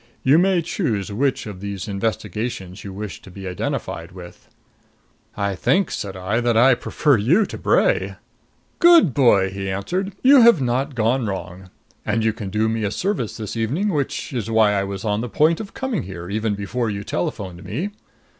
You may choose which of these investigations you wish to be identified with." "I think," said I, "that I prefer you to Bray." "Good boy!" he answered. "You have not gone wrong. And you can do me a service this evening, which is why I was on the point of coming here, even before you telephoned me.